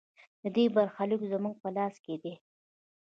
د دې برخلیک زموږ په لاس کې دی؟